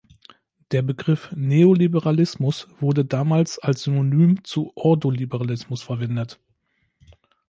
Der Begriff Neoliberalismus wurde damals als Synonym zu Ordoliberalismus verwendet.